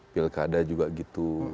pilkada juga gitu